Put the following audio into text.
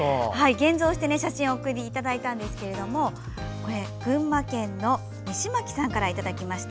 現像して写真をお送りいただいたんですが群馬県の西巻さんからいただきました。